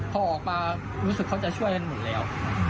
พอออกมารู้สึกเขาจะช่วยกันหมดแล้ว